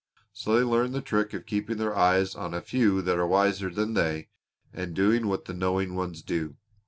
So they learn the trick of keeping their eyes on a few that are wiser than they, and doing what the knowing ones do.